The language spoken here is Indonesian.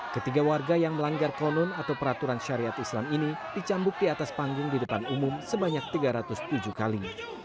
ketiga warga yang melanggar konun atau peraturan syariat islam ini dicambuk di atas panggung di depan umum sebanyak tiga ratus tujuh kali